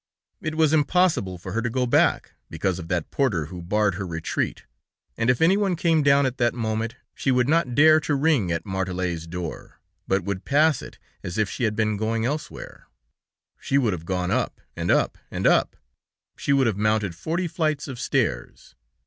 It was impossible for her to go back, because of that porter who barred her retreat; and if anyone came down at that moment she would not dare to ring at Martelet's door, but would pass it as if she had been going elsewhere! She would have gone up, and up, and up! She would have mounted forty flights of stairs!